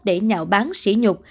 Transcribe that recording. để nhạo bán xỉ nhục